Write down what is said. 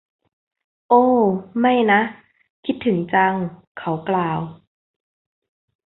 โอ้ ไม่นะ คิดถึงจัง เขากล่าว